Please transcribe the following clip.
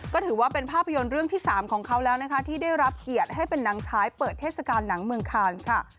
ก็ถือว่าเป็นภาพยนตร์เรื่องที่๓ของเขาแล้วนะคะที่ได้รับเกียรติให้เป็นหนังชายเปิดเทศกาลหนังเมืองคานค่ะ